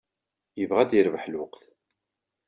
Yebɣa ad d-yerbeḥ lweqt.